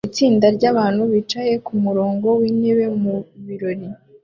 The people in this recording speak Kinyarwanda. Itsinda ryabantu bicaye kumurongo wintebe mubirori